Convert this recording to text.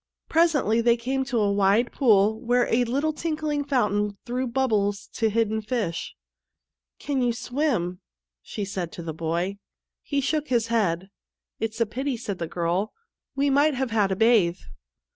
Presently they came to a wide pool where a little tinkling fountain threw bubbles to the hidden fish. "Can you swim ?" she said to the boy. He shook his head. " It's a pity," said the girl ;" we might have had a bathe.